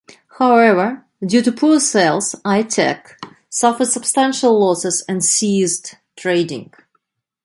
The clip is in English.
However, due to poor sales Eyetech suffered substantial losses and ceased trading.